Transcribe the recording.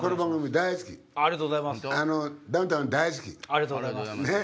ありがとうございます。